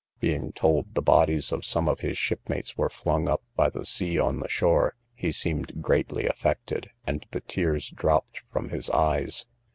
Being told the bodies of some of his shipmates were flung up by the sea on the shore, he seemed greatly affected, and the tears dropped from his eyes.